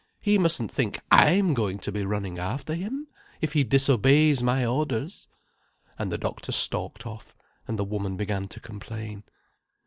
He mustn't think I'm going to be running after him, if he disobeys my orders." And the doctor stalked off, and the woman began to complain.